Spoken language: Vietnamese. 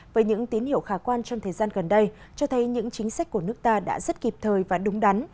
với những tín hiệu khả quan trong thời gian gần đây cho thấy những chính sách của nước ta đã rất kịp thời và đúng đắn